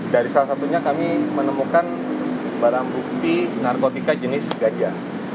dari salah satunya kami menemukan barang bukti narkotika jenis gajah